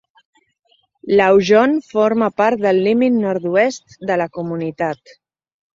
L'Aujon forma part del límit nord-oest de la comunitat.